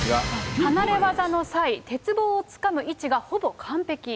離れ技の際、鉄棒をつかむ位置がほぼ完璧。